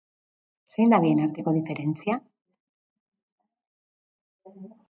Zein da bien arteko diferentzia?